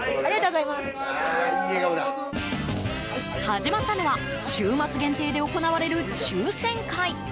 始まったのは週末限定で行われる抽選会。